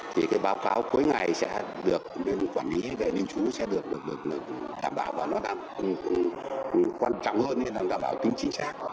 thì cái báo cáo cuối ngày sẽ được quản lý về lưu trú sẽ được đảm bảo và nó đảm quan trọng hơn nên là đảm bảo tính chính xác